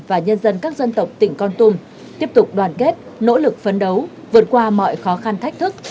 và nhân dân các dân tộc tỉnh con tum tiếp tục đoàn kết nỗ lực phấn đấu vượt qua mọi khó khăn thách thức